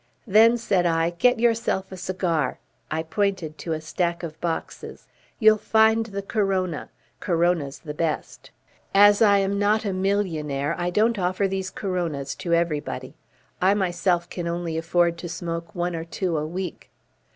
"Then," said I, "get yourself a cigar." I pointed to a stack of boxes. "You'll find the Corona Coronas the best." As I am not a millionaire I don't offer these Coronas to everybody. I myself can only afford to smoke one or two a week.